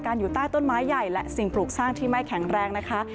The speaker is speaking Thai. อยู่ใต้ต้นไม้ใหญ่และสิ่งปลูกสร้างที่ไม่แข็งแรงนะคะ